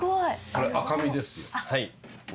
あれ赤身ですよ。